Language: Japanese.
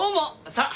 さあ